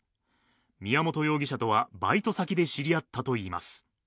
宮本容疑者とは、バイト先で知り合ったといいます。